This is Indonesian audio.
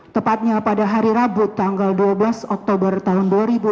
tepatnya pada hari rabu tanggal dua belas oktober tahun dua ribu dua puluh